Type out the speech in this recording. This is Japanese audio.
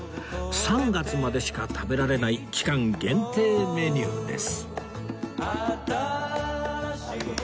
３月までしか食べられない期間限定メニューです